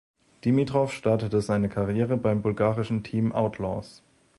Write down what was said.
Dimitrow startete seine Karriere beim bulgarischen Team Outlaws.